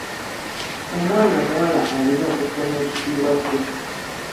Omwana omuwala alina okukuuma ekitiibwa kye.